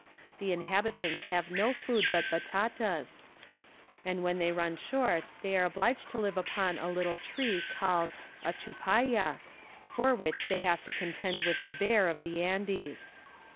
The inhabitants have no food but batatas, and when they run short they are obliged to live upon a little tree called "achupalla," for which they have to contend with the bear of the Andes.